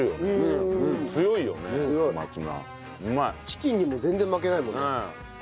チキンにも全然負けないもんね。